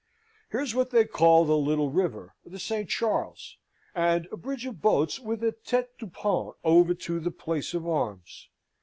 Here's what they call the little river, the St. Charles, and a bridge of boats with a tete du pont over to the place of arms.